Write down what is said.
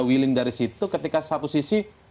willing dari situ ketika satu sisi